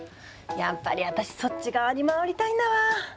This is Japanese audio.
やっぱり私そっち側に回りたいんだわ。